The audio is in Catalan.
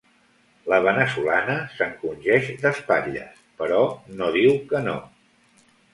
La veneçolana s'encongeix d'espatlles, però no diu que no.